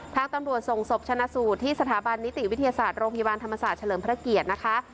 ทางตำรวจส่งศพชนะสูตรที่สถาบันนิติวิทยาศาสตร์โรงพยาบาลธรรมศาสตร์เฉลิมพระเกียรตินะคะ